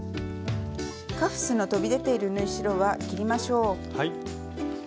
カフスの飛び出ている縫い代は切りましょう。